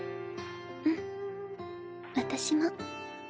うん私も。